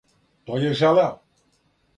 То је желео.